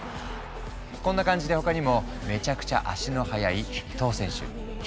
こんな感じで他にもめちゃくちゃ足の速い伊東選手